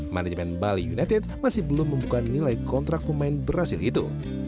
manajemen bali united masih belum membuka nilai kontrak pemain berhasil itu